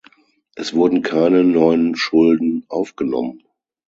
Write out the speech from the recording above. Es wurden keine neuen Schulden aufgenommen.